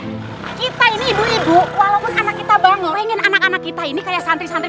kita ini ibu ibu walaupun anak kita baru ingin anak anak kita ini kayak santri santri